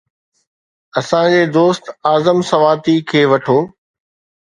اسان جي دوست اعظم سواتي کي وٺو.